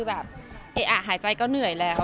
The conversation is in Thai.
อ่ะหายใจก็เหนื่อยแล้ว